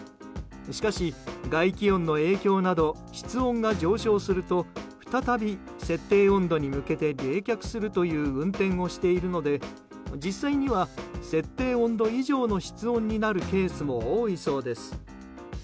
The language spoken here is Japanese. しかし、外気温の影響など室温が上昇すると再び設定温度に向けて冷却するという運転をしているので、実際には設定温度以上の室温になるケースも多いそうです。